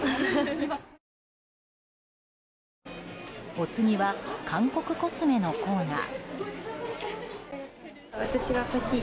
お次は韓国コスメのコーナー。